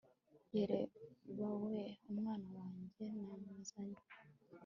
yebabaweee umwana wanjye namuzanye